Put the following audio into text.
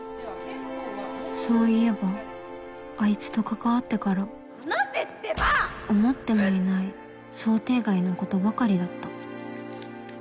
そういえばあいつと関わってから思ってもいない想定外のことばかりだった